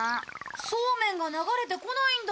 そうめんが流れてこないんだ。